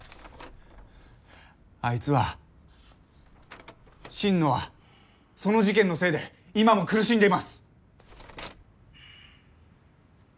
あいつは心野はその事件のせいで今も苦しんでいます。